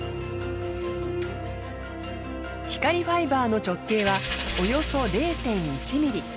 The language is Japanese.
光ファイバーの直径はおよそ０．１ｍｍ。